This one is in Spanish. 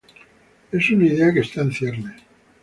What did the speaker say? Es una idea que está en ciernes.